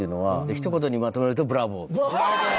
一言にまとめるとブラボーです。